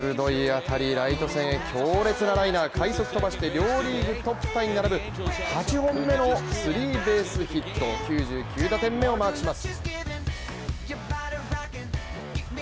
鋭い当たりライト線へ強烈なライナー快足を飛ばして両リーグトップタイに並ぶ８本目スリーベースヒットで９９打点目をマークします